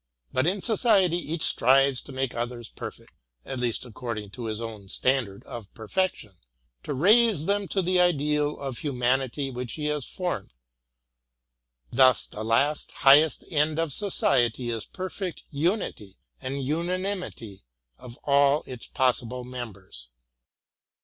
But in Society each strives to make others perfect, at least according to his own standard of perfection ; to raise them to the ideal of humanity which he has formed. Thus the last, highest end of Society is perfect unity and unanimity of all its possible members.